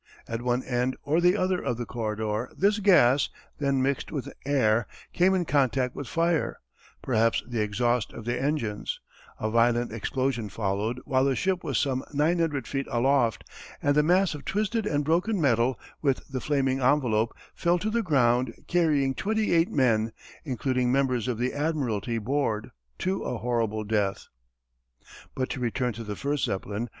At one end or the other of the corridor this gas, then mixed with air, came in contact with fire, perhaps the exhaust of the engines, a violent explosion followed while the ship was some nine hundred feet aloft, and the mass of twisted and broken metal, with the flaming envelope, fell to the ground carrying twenty eight men, including members of the Admiralty Board, to a horrible death. But to return to the first Zeppelin.